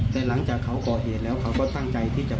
แต่หลังจากเขาก่อเหตุแล้วเขาก็ตั้งใจที่จะ